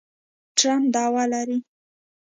ټرمپ دعوه لري